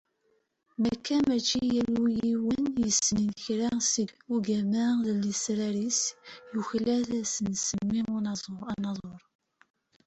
Maca, mačči yal win i yessnen kra seg ugama d lesrar-is, yuklal ad as-nsemmi anaẓur.